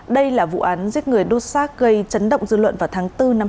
đây là vụ án giết người đốt xác gây chấn động dư luận vào tháng bốn năm hai nghìn hai mươi